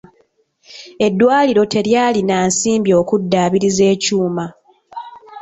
Eddwaliro teryalina nsimbi okuddaabiriza ekyuma.